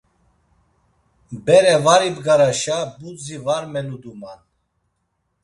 Bere var ibgaraşa budzi var meluduman.